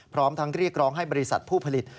พร้อมทั้งเรียกร้องให้บริษัทผู้ผลิต